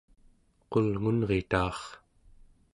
qulngunrita'ar